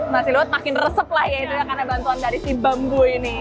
nasi liwet makin resep lah ya karena bantuan dari si bambu ini